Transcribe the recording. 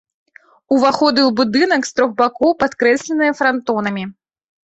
Уваходы ў будынак з трох бакоў падкрэсленыя франтонамі.